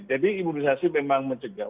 jadi imunisasi memang mencegah